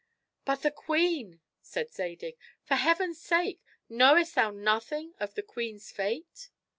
"But the queen," said Zadig; "for heaven's sake, knowest thou nothing of the queen's fate?"